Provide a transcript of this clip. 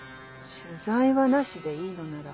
取材はなしでいいのなら。